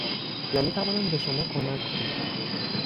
یا میتوانند به شما کمک کنند